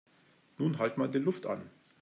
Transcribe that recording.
Nun halt mal die Luft an!